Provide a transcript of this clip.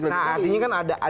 nah artinya kan